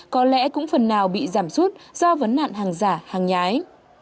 có lẽ cũng phần nào bị giảm sút do vấn nạn hàng giả hàng nhái